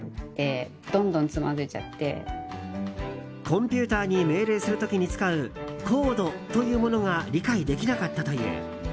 コンピューターに命令する時に使うコードというものが理解できなかったという。